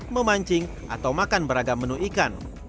memancing atau makan beragam menu ikan